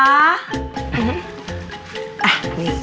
นี่สิ